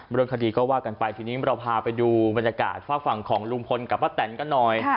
เรื่องคดีก็ว่ากันไปทีนี้เราพาไปดูบรรยากาศฝากฝั่งของลุงพลกับป้าแตนกันหน่อย